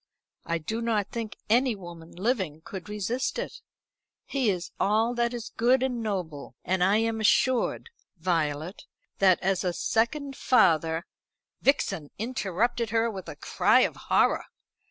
I do not think any woman living could resist it. He is all that is good and noble, and I am assured, Violet, that as a second father " Vixen interrupted her with a cry of horror.